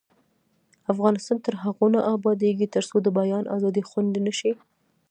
افغانستان تر هغو نه ابادیږي، ترڅو د بیان ازادي خوندي نشي.